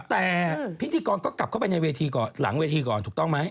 แต่พิธีกรก็กลับเข้าไปในเวทีก่อนหลังเวทีก่อนถูกต้องไหม